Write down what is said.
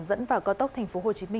dẫn vào cao tốc tp hcm